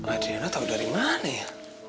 adriana tau dari mana ya